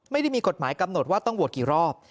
ไม่ได้มีกฎหมายกำหนดว่าต้องโหวตกี่รอบ